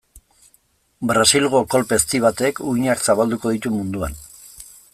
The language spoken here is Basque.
Brasilgo kolpe ezti batek uhinak zabalduko ditu munduan.